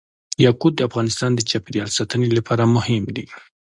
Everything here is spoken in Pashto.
یاقوت د افغانستان د چاپیریال ساتنې لپاره مهم دي.